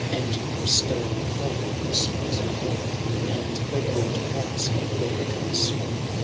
And Grisdale pike responsiYe rung. And Legbert heights their echoes swung.